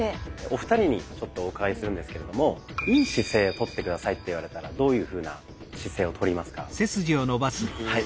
お二人にちょっとお伺いするんですけれども「良い姿勢」とって下さいって言われたらどういうふうな姿勢をとりますか？